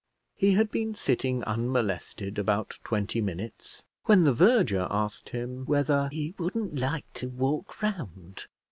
He had been sitting unmolested about twenty minutes when the verger asked him whether he wouldn't like to walk round.